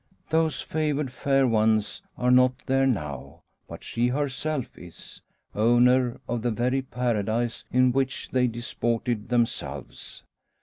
Those favoured fair ones are not there now, but she herself is; owner of the very Paradise in which they disported themselves!